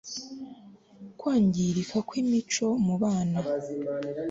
Kwangirika kwImico mu Bana